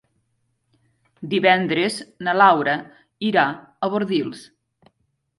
Divendres na Laura irà a Bordils.